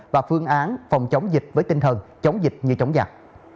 và phương án phòng chống dịch với tinh thần chống dịch như chống giặc